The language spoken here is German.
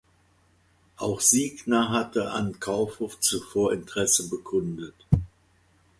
Auch Signa hatte an Kaufhof zuvor Interesse bekundet.